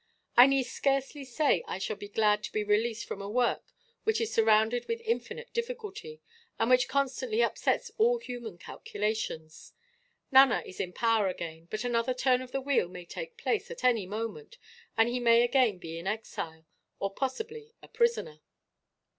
I need scarcely say I shall be glad to be released from a work which is surrounded with infinite difficulty, and which constantly upsets all human calculations. Nana is in power again; but another turn of the wheel may take place, at any moment, and he may again be an exile, or possibly a prisoner.